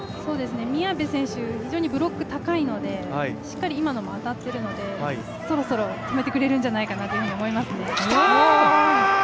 宮部選手、非常にブロック高いので、しっかり今のも当たってるのでそろそろ止めてくれるんじゃないかなと思いますね。